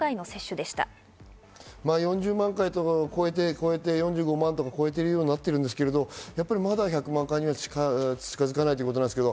４０万回を超えて、４５万を超えてるようになってるんですけど、まだ１００万回には近づかないということです。